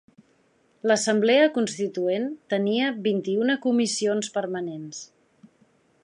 L'Assemblea Constituent tenia vint-i-una comissions permanents.